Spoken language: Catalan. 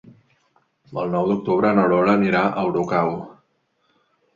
El nou d'octubre na Lola anirà a Olocau.